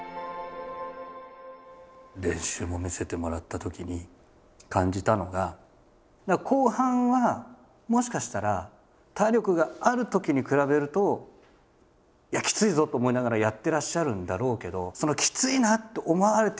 練習も見せてもらったときに感じたのが後半はもしかしたら体力があるときに比べるときついぞと思いながらやってらっしゃるんだろうけど。